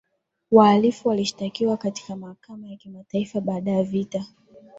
wahalifu walishitakiwa katika mahakama ya kimataifa baada ya vita